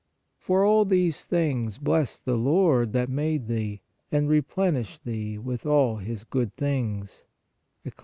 "For all these things bless the Lord, that made thee, and replenished thee with all His good things" (Eccli.